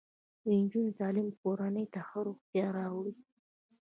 د نجونو تعلیم کورنۍ ته ښه روغتیا راوړي.